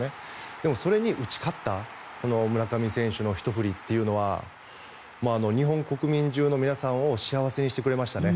でも、それに打ち勝った村上選手のひと振りというのは日本国中の皆さんを幸せにしてくれましたね。